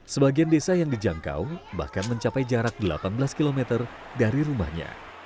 sebagian desa yang dijangkau bahkan mencapai jarak delapan belas km dari rumahnya